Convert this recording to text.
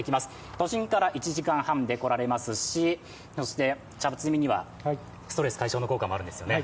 都心から１時間半で来られますしそしてお茶摘みにはストレス解消の効果もあるんですよね。